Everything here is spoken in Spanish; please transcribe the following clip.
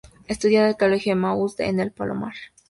Estudió en el Colegio Emaús de El Palomar.